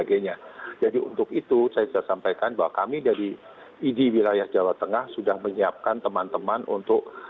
jadi untuk itu saya sudah sampaikan bahwa kami dari idi wilayah jawa tengah sudah menyiapkan teman teman untuk